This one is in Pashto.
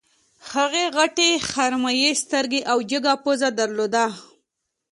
هغې غټې خرمايي سترګې او جګه پزه درلوده